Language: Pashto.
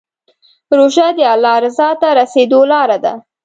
روژه د الله رضا ته د رسېدو لاره ده.